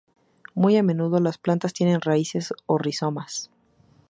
Muy a menudo, las plantas tienen raíces o rizomas.